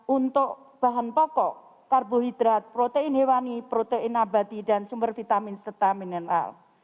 untuk bahan pokok karbohidrat protein hewani protein abadi dan sumber vitamin serta mineral